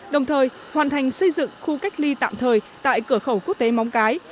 đồng thời hoàn thành xây dựng khu cách ly tạm thời tại cửa khẩu quốc tế móng cái